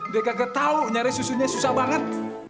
dek gak tau nyari susunya susah banget